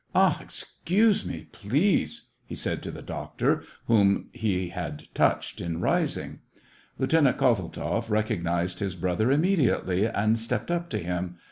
" Ah, excuse me, please," he said to the doctor, whom he had touched in rising. Lieutenant Kozeltzoff recognized his brother immediately, and stepped up to him.